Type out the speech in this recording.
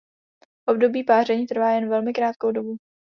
Období páření trvá jen velmi krátkou dobu.